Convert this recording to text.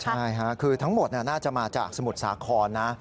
ใช่ค่ะคือทั้งหมดน่าจะมาจากสมุทรสาครนะ